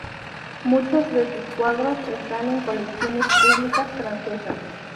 Muchos de sus cuadros están en colecciones públicas francesas.